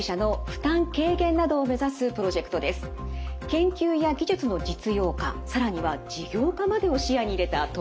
研究や技術の実用化更には事業化までを視野に入れた取り組みなんです。